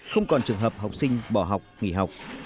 không còn trường hợp học sinh bỏ học nghỉ học